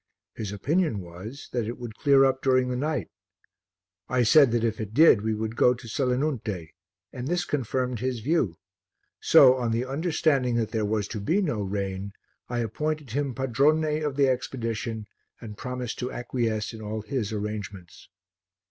His opinion was that it would clear up during the night; I said that if it did we would go to Selinunte, and this confirmed his view; so, on the understanding that there was to be no rain, I appointed him padrone of the expedition and promised to acquiesce in all his arrangements.